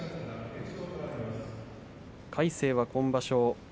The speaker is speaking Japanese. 魁聖は今場所